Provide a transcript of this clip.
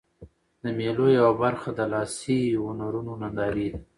د مېلو یوه برخه د لاسي هنرونو نندارې دي.